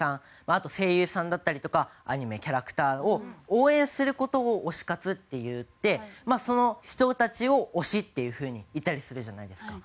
あと声優さんだったりとかアニメキャラクターを応援する事を「推し活」って言ってその人たちを「推し」っていう風に言ったりするじゃないですか。